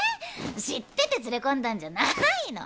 知ってて連れ込んだんじゃないの？